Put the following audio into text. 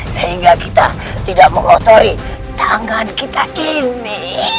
sehingga kita tidak mengotori tangan kita ini